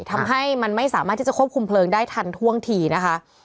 ทำให้มันไม่สามารถที่จะควบคุมเพลิงได้ทันท่วงทีนะคะ